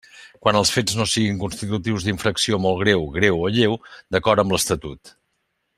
Quan els fets no siguin constitutius d'infracció molt greu, greu o lleu, d'acord amb l'Estatut.